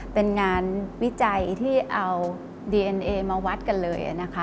เป็นงานวิจัยที่เอาดีเอ็นเอมาวัดกันเลยนะคะ